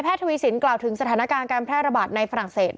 ทวีสินกล่าวถึงสถานการณ์การแพร่ระบาดในฝรั่งเศส